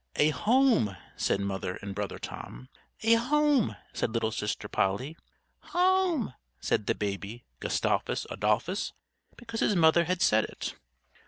"A home!" said Mother and Brother Tom. "A home!" said little Sister Polly. "Home!" said the baby, Gustavus Adolphus, because his mother had said it.